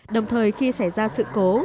đồng thời khi xảy ra sự